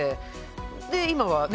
で今はね